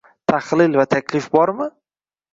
Tahlil va taklif bormi?